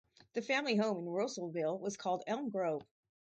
The family home in Roessleville was called Elm Grove.